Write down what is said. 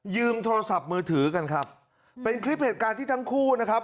โทรศัพท์มือถือกันครับเป็นคลิปเหตุการณ์ที่ทั้งคู่นะครับ